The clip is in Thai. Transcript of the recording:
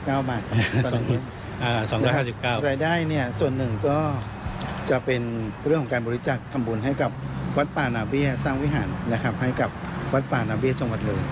รายได้ส่วนหนึ่งก็จะเป็นเรื่องของการบริจาคทำบุญให้กับวัดปานาเบียสร้างวิหารนะครับให้กับวัดปานาเบียจังหวัดเรือนะครับ